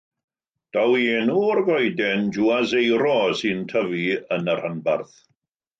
Daw ei enw o'r goeden juazeiro sy'n tyfu yn y rhanbarth.